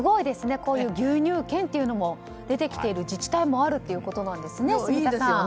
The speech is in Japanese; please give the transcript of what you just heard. こういう牛乳券というのも出てきている自治体もあるんですね。